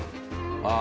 ああ。